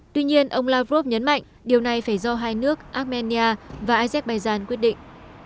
tuy nhiên ông lavrov nhấn mạnh điều này phải do hai nước armenia và azerbaijan quyết định